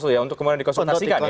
untuk kemudian dikonsultasikan